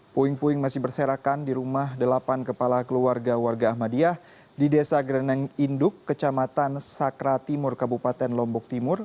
puing puing masih berserakan di rumah delapan kepala keluarga warga ahmadiyah di desa greneng induk kecamatan sakra timur kabupaten lombok timur